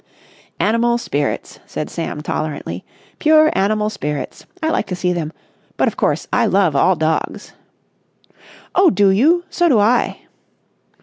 "Animal spirits!" said Sam tolerantly. "Pure animal spirits. I like to see them. But, of course, I love all dogs." "Oh, do you? So do I!"